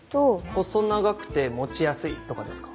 「細長くて持ちやすい」とかですか？